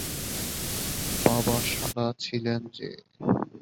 বাবা সাদা ছিলেন যে।